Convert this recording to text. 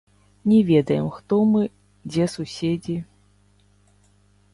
Не ведаем, хто мы, дзе суседзі.